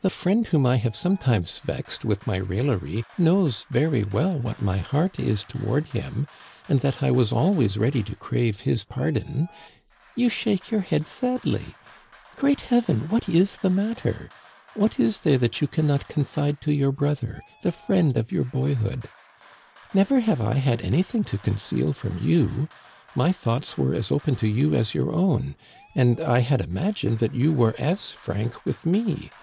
The friend whom I have sometimes vexed with my raillery knows very well what my heart is toward him, and that I was always ready to crave his pardon. You shake your Digitized by VjOOQIC CONCLUSION. 271 head sadly ! Great heaven, what is the matter ? What is there that you can not confide to your brother, the friend of your boyhood ? Never have I had anything to conceal from you. My thoughts were as open to you as your own, and I had imagined that you were as frank with me.